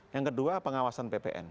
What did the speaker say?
yang kedua pengawasan ppi